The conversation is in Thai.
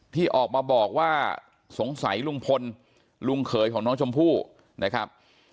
ที่ออกมาบอกว่าสงสัยลุงพลลุงเขยของน้องชมพู่นะครับ